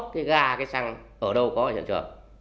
cái gas cái xăng ở đâu có ở trường